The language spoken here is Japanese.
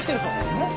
えっ？